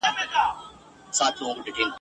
خر په پوه سوچی لېوه یې غوښي غواړي ..